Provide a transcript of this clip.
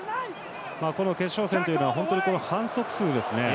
この決勝戦というのは反則数ですね。